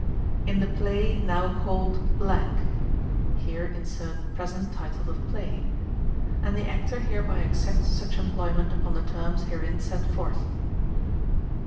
in the play now called (Here insert present title of play) and the Actor hereby accepts such employment upon the terms herein set forth.